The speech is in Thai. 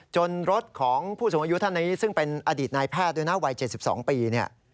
รถของผู้สูงอายุท่านนี้ซึ่งเป็นอดีตนายแพทย์ด้วยนะวัย๗๒ปีเนี่ย